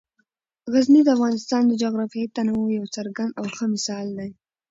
غزني د افغانستان د جغرافیوي تنوع یو څرګند او ښه مثال دی.